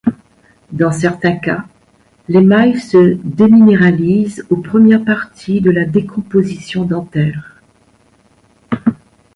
Dans certains cas, l'émail se déminéralise aux premières parties de la décomposition dentaire.